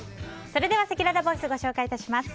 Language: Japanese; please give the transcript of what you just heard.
それではせきららボイスご紹介致します。